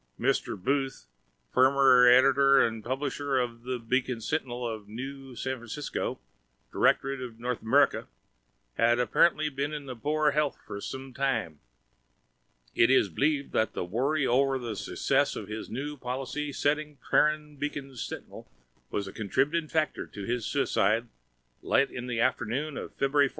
Mr. Booth, formr ditor and publishr of th Bacon Sntinl of Nw San Francisco, Dirctorat of North Amrica, had apparntly bn in poor helth for som tim. It is blivd that worry ovr th succss of his nw policy stting Trran Bacon Sntinl was a contributing factor in his suicid lat in th aftrnoon of Fbruary 14.